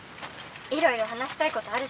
いろいろ話したいことあるし」。